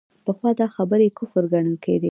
پخوا دا خبرې کفر ګڼل کېدې.